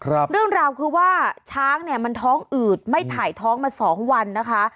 เรื่องราวคือว่าช้างเนี่ยมันท้องอืดไม่ถ่ายท้องมาสองวันนะคะ